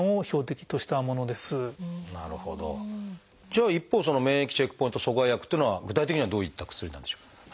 じゃあ一方免疫チェックポイント阻害薬というのは具体的にはどういった薬なんでしょう？